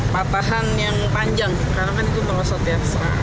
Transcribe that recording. patahan yang panjang karena kan itu merosot ya